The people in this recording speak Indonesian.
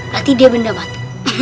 nanti dia benda banget